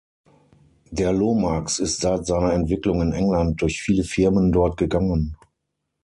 Der Lomax ist seit seiner Entwicklung in England durch viele Firmen dort gegangen.